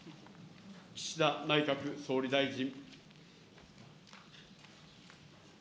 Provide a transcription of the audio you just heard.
岸田内閣総理大臣。